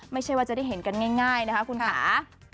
ไม่ใช่ว่าจะได้เห็นกันง่ายนะคะคุณค่ะ